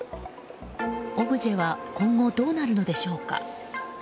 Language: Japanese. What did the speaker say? オブジェは今後どうなるのでしょうか。